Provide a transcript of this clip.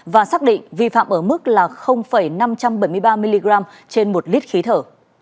và xác định vi phạm ở mức năm trăm bảy mươi ba mg trên một lít khí thở